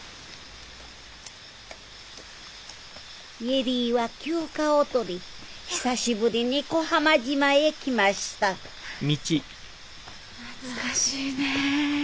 恵里は休暇を取り久しぶりに小浜島へ来ました懐かしいねぇ。